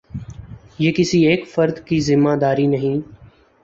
یہ کسی ایک فرد کی ذمہ داری نہیں۔